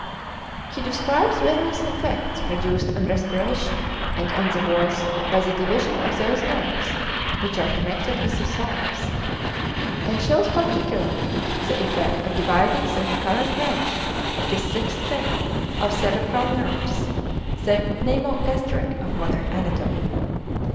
He describes various effects produced on respiration and on the voice by the division of those nerves which are connected with the thorax; and shows particularly the effect of dividing the recurrent branch of his sixth pair of cerebral nerves (the pneumogastric of modern anatomy).